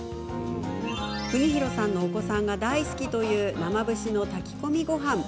邦裕さんのお子さんが大好きという生節の炊き込みごはん。